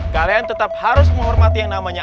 kalian tetap harus menghormati yang namanya